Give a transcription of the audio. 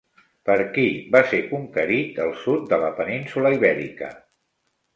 Per qui va ser conquerit el sud de la península Ibèrica?